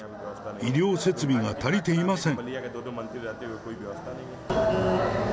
医療設備が足りていません。